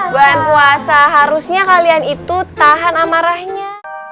bulan puasa harusnya kalian itu tahan amarahnya